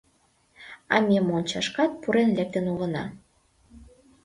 — А ме мончашкат пурен лектын улына.